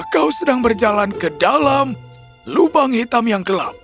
kau sedang berjalan ke dalam lubang hitam yang gelap